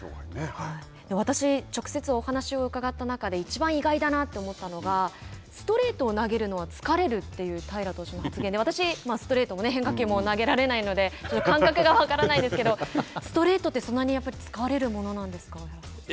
私、直接お話を伺った中で一番意外だなと思ったのがストレートを投げるのは疲れるという平良投手の発言でストレートも変化球も投げられないので感覚が分からないですけどストレートって、そんなに疲れるれるものなんですか。